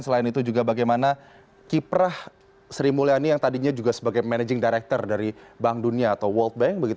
selain itu juga bagaimana kiprah sri mulyani yang tadinya juga sebagai managing director dari bank dunia atau world bank